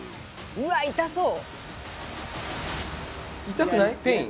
うわっ痛そう！